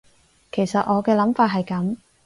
其實我嘅諗法係噉